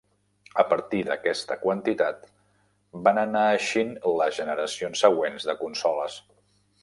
A partir d'aquesta quantitat, van anar eixint les generacions següents de consoles.